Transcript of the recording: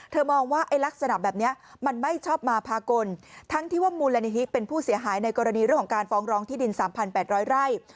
มองว่าไอ้ลักษณะแบบนี้มันไม่ชอบมาพากลทั้งที่ว่ามูลนิธิเป็นผู้เสียหายในกรณีเรื่องของการฟ้องร้องที่ดิน๓๘๐๐ไร่